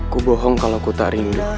ku bohong kala ku tak rindu